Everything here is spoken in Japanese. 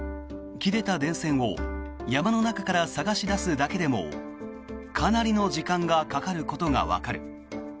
切れた電線を山の中から探し出すだけでもかなりの時間がかかることがわかる。